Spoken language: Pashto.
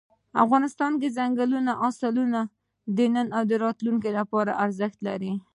افغانستان کې دځنګل حاصلات د نن او راتلونکي لپاره ارزښت لري.